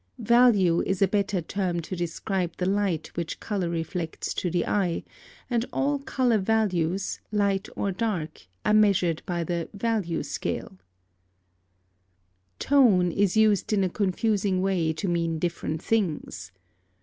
Value is a better term to describe the light which color reflects to the eye, and all color values, light or dark, are measured by the value scale. "Tone" is used in a confusing way to mean different things.